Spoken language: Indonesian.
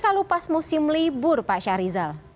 kalau pas musim libur pak syahrizal